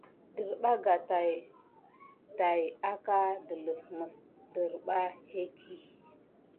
Nderɓa tät ɗay akà delif mis ŋderba hiki.